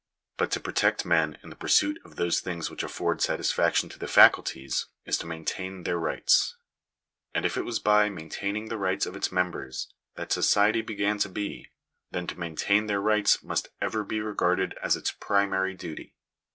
But to protect men in the Digitized by VjOOQIC 254 THE DUTY OF THE STATE. pursuit of those things which afford satisfaction to the faculties is to maintain their rights. And if it was by maintaining the rights of its members that society began to be, then to maintain their rights must ever be regarded as its primary duty.